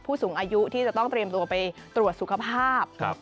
ผู้สูงอายุที่จะต้องเตรียมตัวไปตรวจสุขภาพ